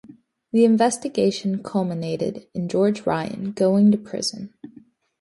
The investigation culminated in George Ryan going to prison.